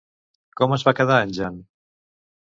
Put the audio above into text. Com es va quedar en Jan?